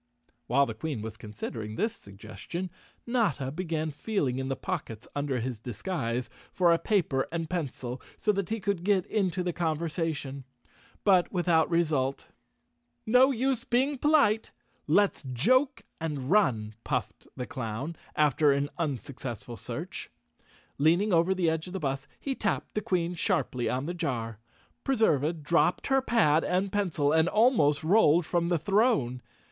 Wliile the Queen was considering this suggestion, Notta began feeling in the pockets under his disguise for a paper and pencil, so that he could get into the conversation, but without result. "No use being polite I Let's joke and run," puffed the clown, after an unsuccessful search. Leaning over the edge of the bus, he tapped the Queen sharply on the jar. Preserva dropped her pad and pencil and almost rolled from the throne.